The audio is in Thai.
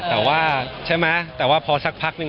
แต่ว่าใช่ไหมแต่ว่าพอสักพักนึง